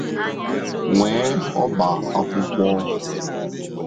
nwee ọba akwụkwọ